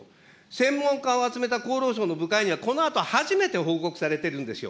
専門家を集めた厚労省の部会には、このあと初めて報告されてるんですよ。